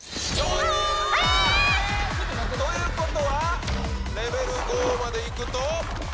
えー！ということは、レベル５までいくと。